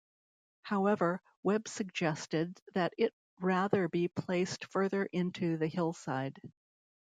However, Webb suggested that it rather be placed further into the hillside.